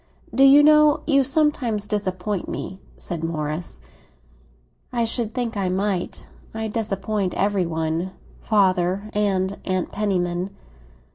"Do you know you sometimes disappoint me?" said Morris. "I should think I might. I disappoint every one—father and Aunt Penniman."